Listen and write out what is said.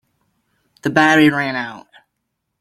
The battery ran out.